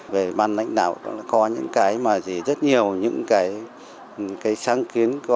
về ban lãnh đạo có những cái mà rất nhiều những cái sáng kiến